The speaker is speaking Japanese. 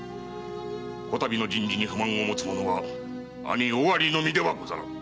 比度の人事に不満を持つ者は尾張のみではござらぬ。